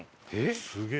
すげえ！